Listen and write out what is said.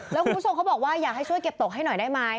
แล้วคุณผู้ชมเขาบอกว่าอยากให้ช่วยเก็บตกให้หน่อยได้ไหม